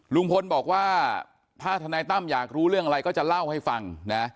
ลุงพลบอกว่าถ้าทนายตั้มอยากรู้เรื่องอะไรก็จะเล่าให้ฟังนะ